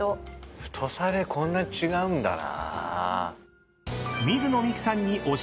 太さでこんな違うんだなぁ。